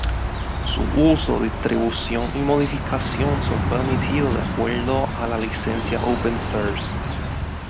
Su uso, distribución y modificación son permitidos de acuerdo a la Licencia Open Source.